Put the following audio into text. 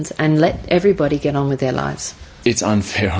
dan biarkan semua orang meneruskan kehidupan mereka